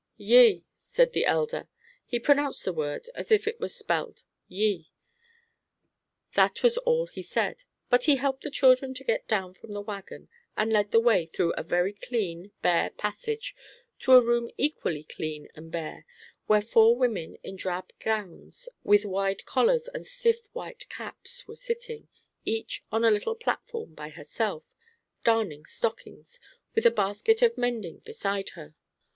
"Yea," said the Elder. He pronounced the word as if it were spelled "ye." That was all he said; but he helped the children to get down from the wagon, and led the way through a very clean, bare passage to a room equally clean and bare, where four women in drab gowns with wide collars and stiff white caps were sitting, each on a little platform by herself, darning stockings, with a basket of mending beside her.